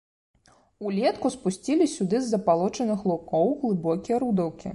Улетку спусцілі сюды з забалочаных лугоў глыбокія рудаўкі.